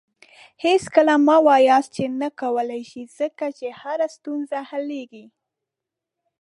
هېڅکله مه وایاست چې نه کولی شې، ځکه چې هره ستونزه حلیږي.